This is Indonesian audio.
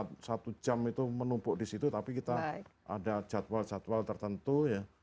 jadi tidak pada saat satu jam itu menumpuk di situ tapi kita ada jadwal jadwal tertentu ya